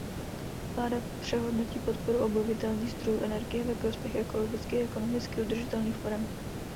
Vláda přehodnotí podporu obnovitelných zdrojů energie ve prospěch ekologicky i ekonomicky udržitelných forem.